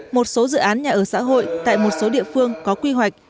một số dự án nhà ở xã hội tại một số địa phương có quy hoạch